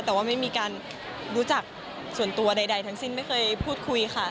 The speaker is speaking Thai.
แต่ว่าไม่มีการรู้จักส่วนตัวใดทั้งสิ้นไม่เคยพูดคุยค่ะ